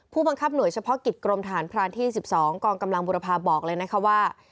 ผู้บังคับหน่วยเฉพาะกิจกรมทหารพรานที่๑๒กองกำลังบุรพาบอกเลยนะคะว่า